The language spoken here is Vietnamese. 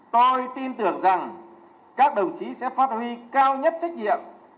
tôi tin tưởng rằng các đồng chí sẽ phát huy cao nhất trách nhiệm